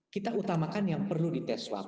kita utamakan yang perlu dites swab